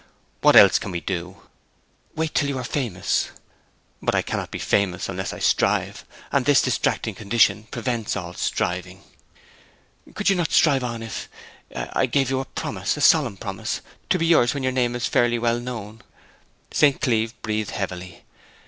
'What else can we do?' 'Wait till you are famous.' 'But I cannot be famous unless I strive, and this distracting condition prevents all striving!' 'Could you not strive on if I gave you a promise, a solemn promise, to be yours when your name is fairly well known?' St. Cleeve breathed heavily.